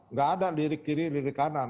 nggak ada lirik kiri lirik kanan